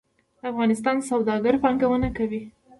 د افغانستان سوداګر پانګونه کوي